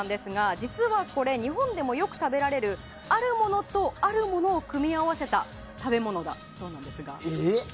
実はこれ日本でもよく食べられるあるものとあるものを組み合わせた食べ物だそうですが。